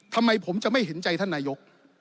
ทำไมผมจะไม่เห็นใจท่านนายก